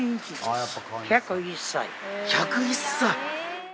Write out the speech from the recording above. １０１歳！